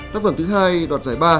tác phẩm thứ hai đoàn giải ba